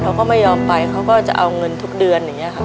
เขาก็ไม่ยอมไปเขาก็จะเอาเงินทุกเดือน